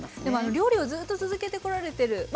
でも料理をずっと続けてこられてる